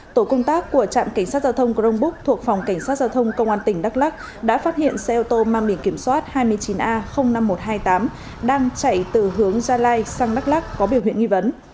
tổ công tác của trạm cảnh sát giao thông crong búc thuộc phòng cảnh sát giao thông công an tỉnh đắk lắc đã phát hiện xe ô tô mang biển kiểm soát hai mươi chín a năm nghìn một trăm hai mươi tám đang chạy từ hướng gia lai sang đắk lắc có biểu hiện nghi vấn